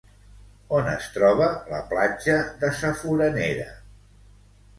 On es troba la platja de Sa Foranera?